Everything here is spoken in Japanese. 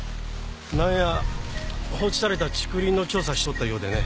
なんや放置された竹林の調査しとったようでね。